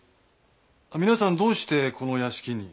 皆さんどうしてこの屋敷に？